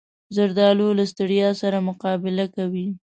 زردالو له ستړیا سره مقابله کوي.